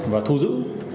và thu giữ